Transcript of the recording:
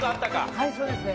はいそうですね。